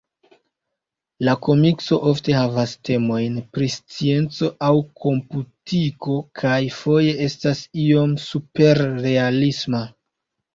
La komikso ofte havas temojn pri scienco aŭ komputiko, kaj foje estas iom superrealisma.